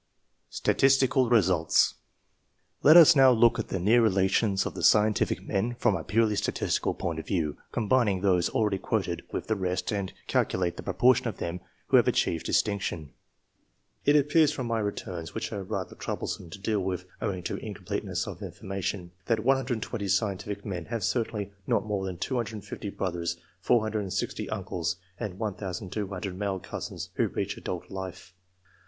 STATISTICAL RESULTS. Let us now look at the near relations of the scientific men from a purely statistical point of view, combining those already quoted with the rest, and calculate the proportion of them who have achieved distinction. It appears from my returns, which are rather troublesome to deal with, owing to incompleteness of informa tion, that 120 scientific men have certainly not more than 250 brothers, 460 uncles, and 1,200 male cousins who reach adult life.